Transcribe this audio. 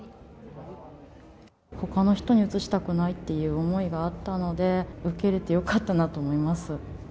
他の人にうつしたくないっていう思いがあったので、受けれてよかったなと思います。